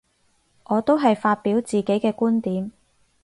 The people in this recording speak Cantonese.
我都係發表自己嘅觀點